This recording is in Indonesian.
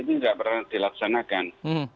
ini tidak pernah dilaksanakan